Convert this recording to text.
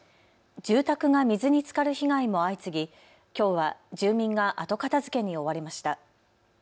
住宅が水につかる被害も相次ぎきょうは住民が後片づけに追われました。